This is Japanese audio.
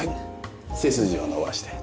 背筋を伸ばして。